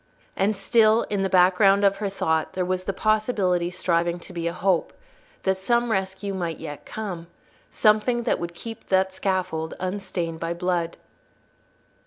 And still, in the background of her thought, there was the possibility striving to be a hope, that some rescue might yet come, something that would keep that scaffold unstained by blood.